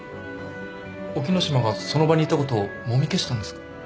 沖野島がその場にいたことをもみ消したんですか？